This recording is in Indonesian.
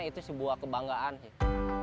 itu sebuah kebanggaan sih